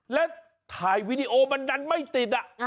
แล้วถ่ายวีดีโอมันดันไม่ติด